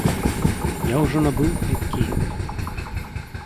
Я ўжо набыў квіткі!